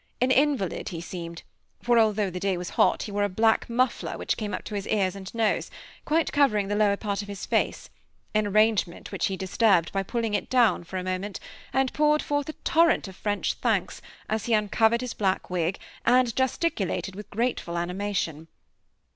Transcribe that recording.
An invalid he seemed, for although the day was hot he wore a black muffler which came up to his ears and nose, quite covering the lower part of his face, an arrangement which he disturbed by pulling it down for a moment, and poured forth a torrent of French thanks, as he uncovered his black wig, and gesticulated with grateful animation.